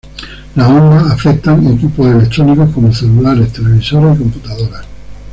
Las ondas afectan equipos electrónicos como celulares, televisores y computadoras.